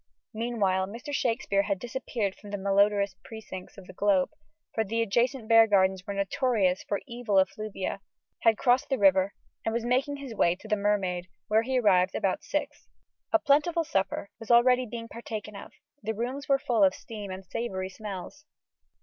Meanwhile, Mr. Shakespeare had disappeared from the malodorous precincts of the Globe for the adjacent bear gardens were notorious for evil effluvia had crossed the river, and was making his way to the Mermaid, where he arrived about six. A plentiful supper was already being partaken of: the rooms were full of steam and savoury smells.